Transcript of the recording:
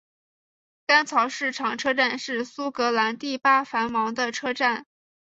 干草市场车站是苏格兰第八繁忙的车站。